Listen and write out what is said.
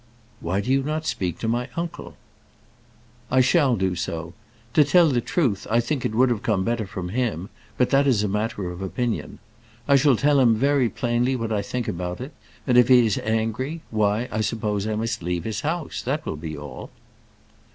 "Why do you not speak to my uncle?" "I shall do so. To tell the truth, I think it would have come better from him; but that is a matter of opinion. I shall tell him very plainly what I think about it; and if he is angry, why, I suppose I must leave his house; that will be all."